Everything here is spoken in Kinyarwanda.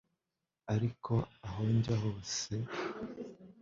ariko aho njya hose